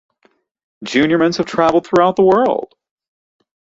Junior Mints have traveled throughout the world.